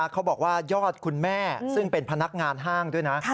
เขาบอกว่ายอดคุณแม่ซึ่งเป็นพนักงานห้างด้วยนะ